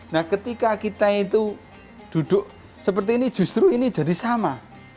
nah ketika kita itu duduk seperti ini justru ini jadi sama